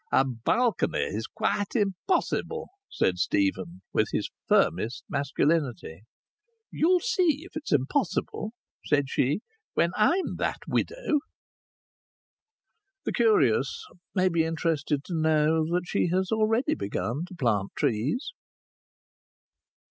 "A balcony is quite impossible," said Stephen, with his firmest masculinity. "You'll see if it's impossible," said she, "when I'm that widow." The curious may be interested to know that she has already begun to plant trees.